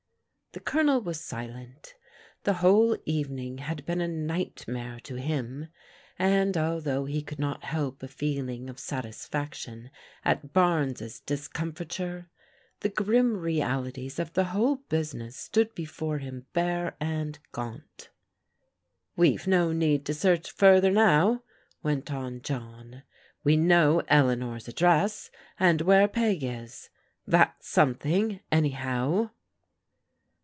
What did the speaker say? The Colonel was silent. The whole evening had been a nightmare to him, and although he could not help a feeling of satisfaction at Barnes' discomfiture, the grim realities of the whole business stood before him bare and gaunt. "We've no need to search further now," went on John. " We know Eleanor's address, and where Peg is, — that's something, anyhow."